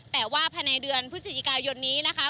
แต่ว่าภายในเดือนพฤศจิกายนนี้นะคะ